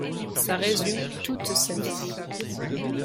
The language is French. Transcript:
Ça résume toute sa vie.